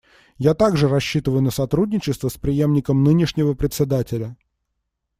Я также рассчитываю на сотрудничество с преемником нынешнего Председателя.